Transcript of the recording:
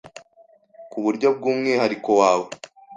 ku buryo bw’umwihariko wawe